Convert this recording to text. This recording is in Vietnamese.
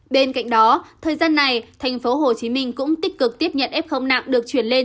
bên cạnh đó thời gian này tp hcm cũng tích cực tiếp nhận f nặng được chuyển lên